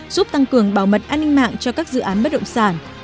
giúp tăng cường bảo mật an ninh mạng cho các dự án bất động sản